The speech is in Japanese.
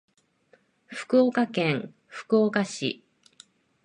福岡県福岡市